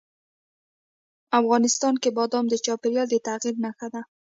افغانستان کې بادام د چاپېریال د تغیر نښه ده.